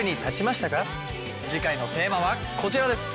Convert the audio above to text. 次回のテーマはこちらです。